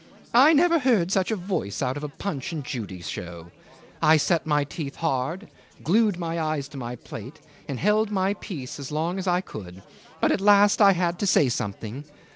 I never heard such a voice out of a Punch and Judy show. I set my teeth hard, and glued my eyes to my plate, and held my peace as long as I could; but at last I had to say something.